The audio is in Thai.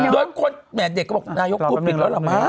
โดยคนแหมเด็กก็บอกนายกพูดผิดแล้วล่ะมั้